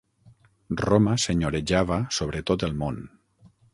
Roma senyorejava sobre tot el món.